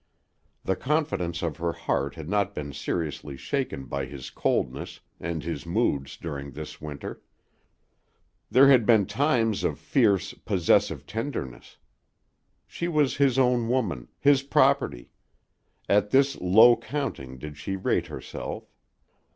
The confidence of her heart had not been seriously shaken by his coldness and his moods during this winter. There had been times of fierce, possessive tenderness. She was his own woman, his property; at this low counting did she rate herself.